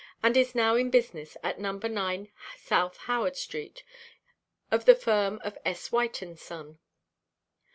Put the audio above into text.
and is now in business at No. 9 South Howard street, of the firm of S. White & Son.